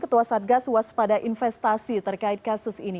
ketua satgas waspada investasi terkait kasus ini